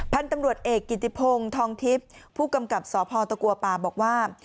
พันธุ์ตำรวจเอกกิติพงศ์ทองทิพย์ผู้กำกับสพตะกัวป่าบอกว่า